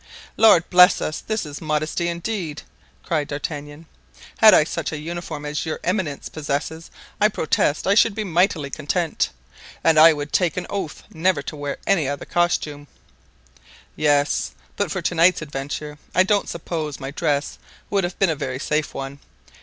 "Lord bless us! this is modesty indeed!" cried D'Artagnan. "Had I such a uniform as your eminence possesses, I protest I should be mightily content, and I would take an oath never to wear any other costume——" "Yes, but for to night's adventure I don't suppose my dress would have been a very safe one.